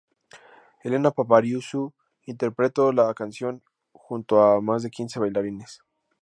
Helena Paparizou interpretó la canción junto a más de quince bailarines.